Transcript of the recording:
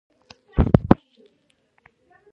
د روحي فشار لپاره د ګلاب اوبه وڅښئ